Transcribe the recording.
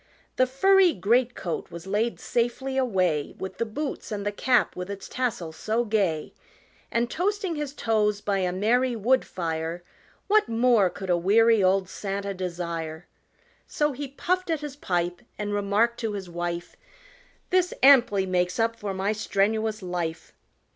The furry great coat was laid safely away With the boots and the cap with its tassel so gay, And toasting his toes by a merry wood fire, What more could a weary old Santa desire? So he puffed at his pipe and remarked to his wife, "This amply makes up for my strenuous life!